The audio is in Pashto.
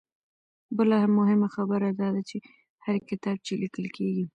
بله مهمه خبره دا ده چې هر کتاب چې ليکل کيږي